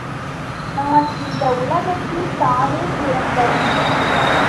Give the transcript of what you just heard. நான் இந்த உலகத்தில் தானே பிறந்தவன்?